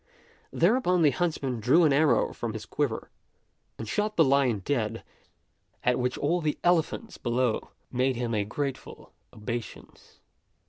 Thereupon the huntsman drew an arrow from his quiver and shot the lion dead, at which all the elephants below made him a grateful obeisance.